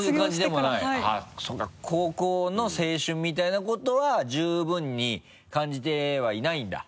そうか高校の青春みたいなことは十分に感じてはいないんだ。